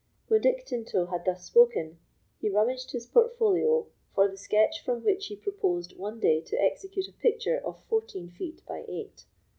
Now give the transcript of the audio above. When Dick Tinto had thus spoken, he rummaged his portfolio for the sketch from which he proposed one day to execute a picture of fourteen feet by eight.